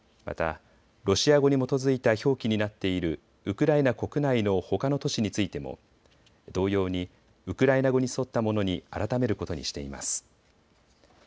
また、ロシア語に基づいた表記になっているウクライナ国内のほかの都市についても同様にウクライナ語に沿ったものに改めることにしています。